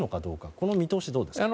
この見通しはどうですか？